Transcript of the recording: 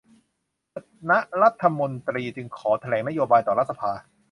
คณะรัฐมนตรีจึงขอแถลงนโยบายต่อรัฐสภา